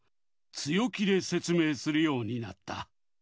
強気で説明するようになった。